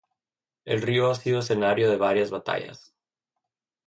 El río ha sido escenario de varias batallas.